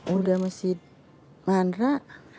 udah masih marah